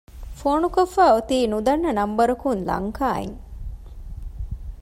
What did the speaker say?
ފޯނުކޮށްފައި އޮތީ ނުދަންނަ ނަންބަރަކުން ލަންކާއިން